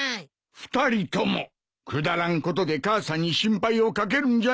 ２人ともくだらんことで母さんに心配を掛けるんじゃない。